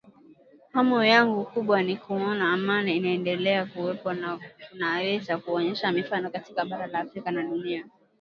hamu yangu kubwa ni kuona amani inaendelea kuwepo na tunaweza kuonyesha mfano katika bara la Afrika na dunia